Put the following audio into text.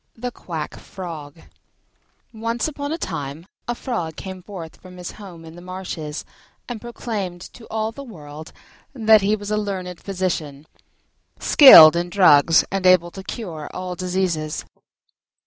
THE QUACK FROG Once upon a time a Frog came forth from his home in the marshes and proclaimed to all the world that he was a learned physician, skilled in drugs and able to cure all diseases.